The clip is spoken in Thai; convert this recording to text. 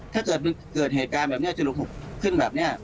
ถ้าเกิดเหตุการณ์แบบนี้จะลุกขึ้นแบบนี้